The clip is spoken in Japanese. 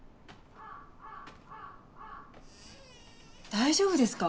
大丈夫ですか？